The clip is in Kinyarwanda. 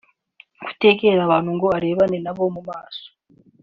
kutegera abantu ngo arebane na bo mu maso